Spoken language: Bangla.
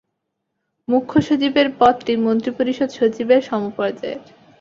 মুখ্য সচিবের পদটি মন্ত্রিপরিষদ সচিবের সমপর্যায়ের।